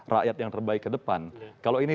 rakyat yang terbaik ke depan kalau ini